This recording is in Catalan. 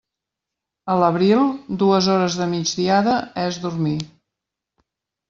A l'abril, dues hores de migdiada és dormir.